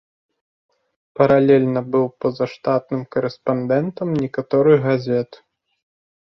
Паралельна быў пазаштатным карэспандэнтам некаторых газет.